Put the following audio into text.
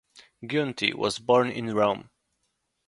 Giunti was born in Rome.